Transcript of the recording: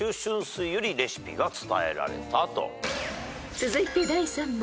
［続いて第３問］